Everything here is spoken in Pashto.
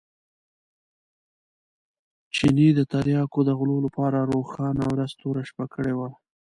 چیني د تریاکو د غلو لپاره روښانه ورځ توره شپه کړې وه.